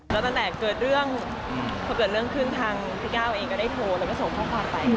แล้วตั้งแต่เกิดเรื่องพอเกิดเรื่องขึ้นทางพี่ก้าวเองก็ได้โทรแล้วก็ส่งข้อความไป